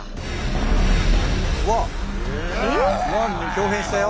豹変したよ。